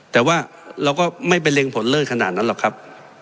แต่ว่าเราก็ไม่ไปเร็งผลเลิศขนาดนั้นหรอกครับ